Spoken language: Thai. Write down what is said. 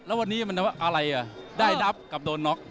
แล้ววันนี้มันว่าอะไรอ่ะได้นับกับโดนน็อก